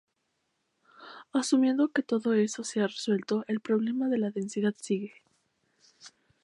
Asumiendo que todo eso sea resuelto el problema de la densidad sigue.